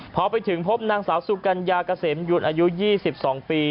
พอไปถึงพบนางสาวสุกัญญาเกษมยุนอายุ๒๒ปี